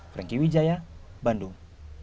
franky wijaya bandung